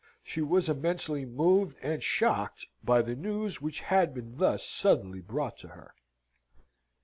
She was immensely moved and shocked by the news which had been thus suddenly brought to her.